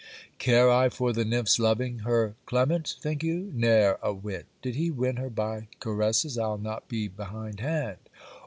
Care I for the nymph's loving her Clement, think you? ne'er a whit! Did he win her by caresses, I'll not be behind hand.